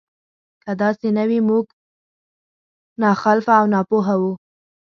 که داسې نه وي موږ ناخلفه او ناپوهه وو.